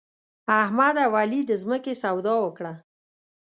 احمد او علي د ځمکې سودا وکړه.